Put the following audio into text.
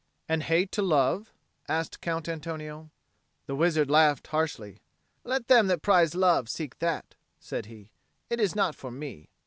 "And hate to love?" asked Count Antonio. The wizard laughed harshly. "Let them that prize love, seek that," said he. "It is not for me."